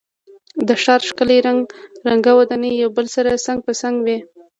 د ښار ښکلی رنګه ودانۍ یو بل سره څنګ په څنګ وې.